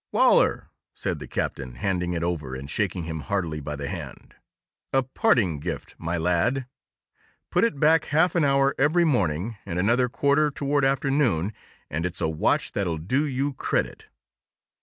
"Wal'r," said the Captain, handing it over and shaking him heartily by the hand, "a parting gift, my lad. Put it back half an hour every morning and another quarter toward afternoon and it's a watch that'll do you credit.""